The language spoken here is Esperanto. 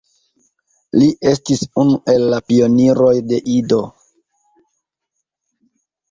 Li estis unu el la pioniroj de Ido.